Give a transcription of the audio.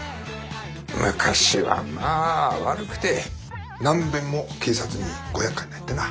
昔はまあ悪くて何べんも警察にごやっかいになってな。